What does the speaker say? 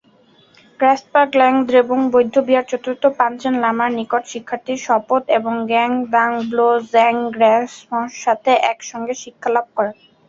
গ্রাগ্স-পা-র্গ্যাল-ম্ত্শান দ্রেপুং বৌদ্ধবিহারে চতুর্থ পাঞ্চেন লামার নিকটে শিক্ষার্থীর শপথ এবং ঙ্গাগ-দ্বাং-ব্লো-ব্জাং-র্গ্যা-ম্ত্শোর সাথে একসঙ্গে শিক্ষালাভ করেন।